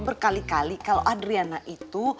berkali kali kalau adriana itu